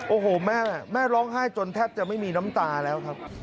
โอ้โหแม่แม่ร้องไห้จนแทบจะไม่มีน้ำตาแล้วครับ